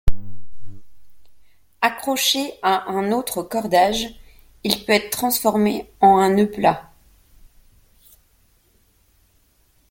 Accroché à un autre cordage, il peut être transformé en nœud plat.